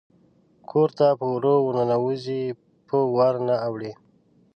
کور ته په وره ورننوزي په ور نه اوړي